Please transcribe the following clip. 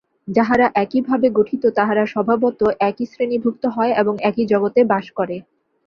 যাহারা একইভাবে গঠিত, তাহারা স্বভাবত একই শ্রেণীভুক্ত হয় এবং একই জগতে বাস করে।